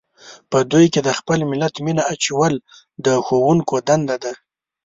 په دوی کې د خپل ملت مینه اچول د ښوونکو دنده ده.